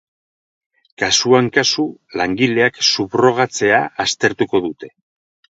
Kasuan kasu, langileak subrogatzea aztertuko dute.